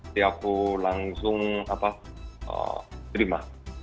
jadi aku langsung terima